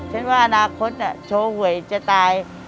ฉันว่าอนาคตโชว์หวยจะตาย